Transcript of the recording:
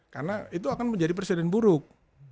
karena itu akan menjadi persediaan buruk